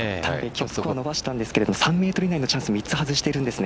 今日、伸ばしたんですが３ｍ以内のチャンスを３つ外しているんです。